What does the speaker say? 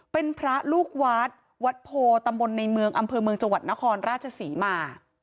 เป็นพระลูกวัดวัดโพตำบลในเมืองอำเภอเมืองจังหวัดนครราชศรีมา